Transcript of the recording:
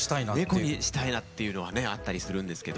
ネコにしたいなっていうのはねあったりするんですけど。